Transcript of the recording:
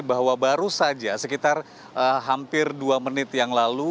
bahwa baru saja sekitar hampir dua menit yang lalu